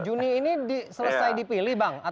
dua juni ini selesai dipilih bang